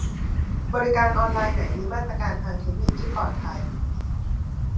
บริการออนไลน์ไหนมีมาตรการทางเทคนิคที่ปลอดภัย